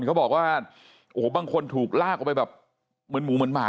เขาบอกว่าโอ้โหบางคนถูกลากออกไปแบบเหมือนหมูเหมือนหมา